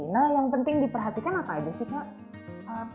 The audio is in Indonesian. nah yang penting diperhatikan apa aja sih kak